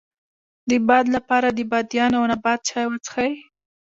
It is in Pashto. د باد لپاره د بادیان او نبات چای وڅښئ